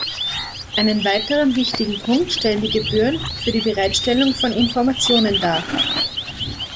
Einen weiteren wichtigen Punkt stellen die Gebühren für die Bereitstellung von Informationen dar.